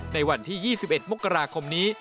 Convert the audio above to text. ในวันที่๒๑มกราคมนี้